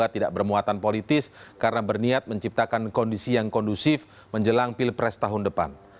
tidak bermuatan politis karena berniat menciptakan kondisi yang kondusif menjelang pilpres tahun depan